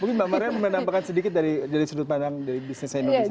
mungkin mbak maria menampakkan sedikit dari sudut pandang dari bisnis indonesia